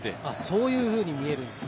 そういうふうに見えるんですね。